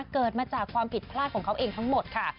เกิดมาจากความผิดพลาดของเขาเองทั้งหมดค่ะ